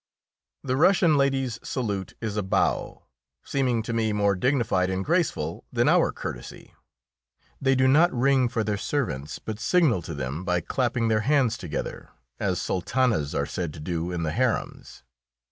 The Russian lady's salute is a bow, seeming to me more dignified and graceful than our courtesy. They do not ring for their servants, but signal to them by clapping their hands together, as sultanas are said to do in the harems.